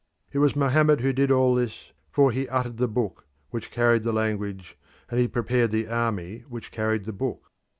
It was Mohammed who did all this, for he uttered the book which carried the language, and he prepared the army which carried the book.